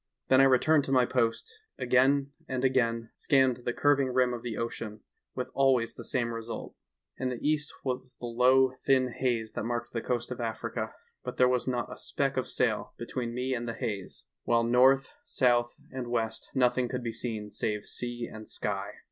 Then I returned to my post and again and again scanned the curving rim of the ocean, with always the same result. In the east was the low, thin haze that marked the coast of Africa, but there was not BETRAYED BY A MIRAGE. 177 a speck of a sail between me and the haze, while north, south and west nothing could be seen save sea and sky.